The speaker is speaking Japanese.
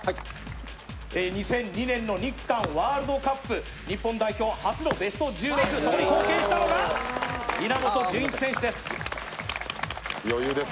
２０２０年の日韓ワールドカップ、日本初のベスト１６、そこに貢献したのが稲本潤一選手です。